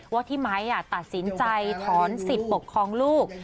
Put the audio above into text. ว่าพี่ไมค์ตัดสินใจถอนสิทธิ์ปกครองลูก